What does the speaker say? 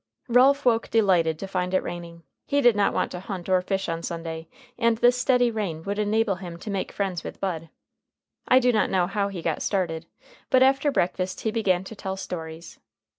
Ralph woke delighted to find it raining. He did not want to hunt or fish on Sunday, and this steady rain would enable him to make friends with Bud. I do not know how he got started, but after breakfast he began to tell stories.